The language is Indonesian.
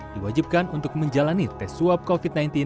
diwajibkan untuk menjalani tes swab covid sembilan belas